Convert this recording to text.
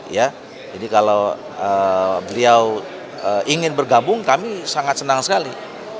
jadi kalau beliau ingin bergabung kami sangat senang sekali